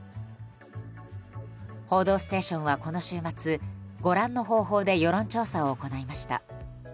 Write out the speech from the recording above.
「報道ステーション」はこの週末ご覧の方法で世論調査を行いました。